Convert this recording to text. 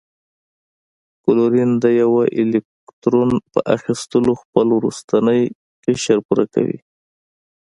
کلورین د یوه الکترون په اخیستلو خپل وروستنی قشر پوره کوي.